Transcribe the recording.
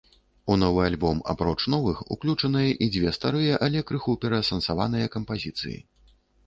У новы альбом, апроч новых, уключаныя і дзве старыя, але крыху пераасэнсаваныя кампазіцыі.